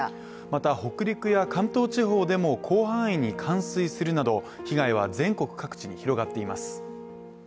また北陸や関東地方でも広範囲に冠水するなど被害は全国各地に広がっています。